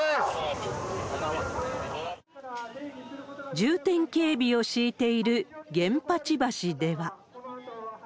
重点警備を敷いている源八橋では。